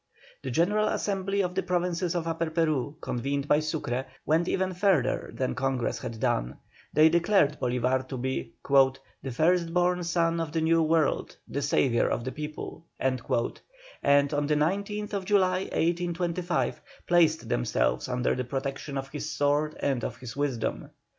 The general Assembly of the Provinces of Upper Peru, convened by Sucre, went even further than Congress had done. They declared Bolívar to be "the first born son of the New World, the saviour of the people," and on the 19th July, 1825, placed themselves under the protection of his sword and of his wisdom.